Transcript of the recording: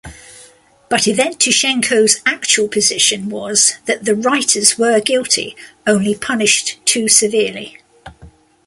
But Yevtushenko's actual position was that the writers were guilty, only punished too severely.